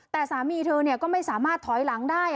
แต่สามีเธอก็ไม่สามารถถอยหลังได้